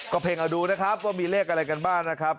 ก็เพลงเอาดูนะครับว่ามีเลขอะไรกันบ้างนะครับ